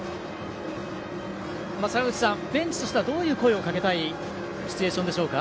坂口さん、ベンチとしてはどういう声をかけたいシチュエーションでしょうか。